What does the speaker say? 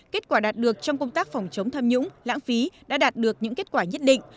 kết quả đạt được trong công tác phòng chống tham nhũng lãng phí đã đạt được những kết quả nhất định